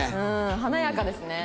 華やかですね。